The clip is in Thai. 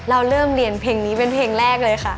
เราเริ่มเรียนเพลงนี้เป็นเพลงแรกเลยค่ะ